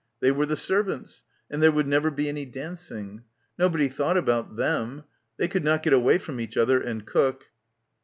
They were the servants — and there would never be any dancing. Nobody thought about them. ... They could not get away from each other, and cook.